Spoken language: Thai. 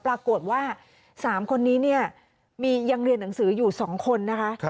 ปรากฏว่า๓คนนี้เนี่ยยังเรียนหนังสืออยู่๒คนนะคะ